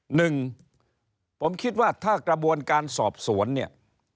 หนึ่งผมคิดว่าถ้ากระบวนการสอบสวนเนี่ย